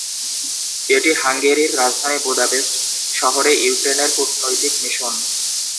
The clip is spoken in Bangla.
এটি হাঙ্গেরির রাজধানী বুদাপেস্ট শহরে ইউক্রেনের কূটনৈতিক মিশন।